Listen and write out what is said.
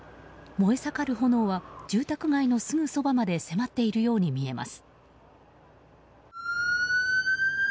燃え盛る炎は住宅街のすぐそばまで迫っているように見えます。